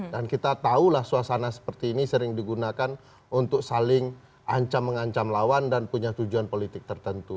dan kita tahulah suasana seperti ini sering digunakan untuk saling ancam mengancam lawan dan punya tujuan politik tertentu